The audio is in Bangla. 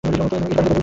এটি পানিতে দ্রবণীয়।